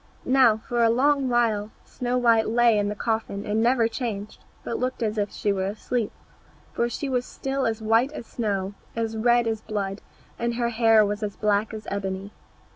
Now, for a long while Snow white lay in the coffin and never changed, but looked as if she were asleep, for she was still as white as snow, as red as blood, and her hair was as black as ebony.